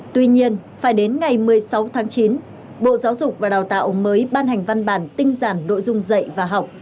tuy nhiên phải đến ngày một mươi sáu tháng chín bộ giáo dục và đào tạo mới ban hành văn bản tinh giản nội dung dạy và học